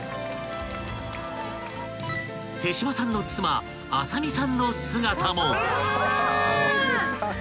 ［手島さんの妻麻美さんの姿も］